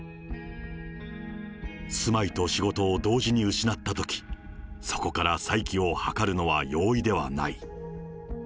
住まいと仕事を同時に失ったとき、そこから再起を図るのは容易ではない。